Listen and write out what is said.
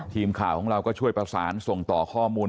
ทีมข่าวของเราก็ช่วยประสานส่งต่อข้อมูล